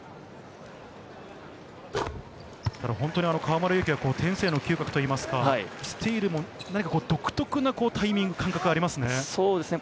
河村勇輝は天性の嗅覚といいますか、スティールも独特なタイミング、感覚はありますね。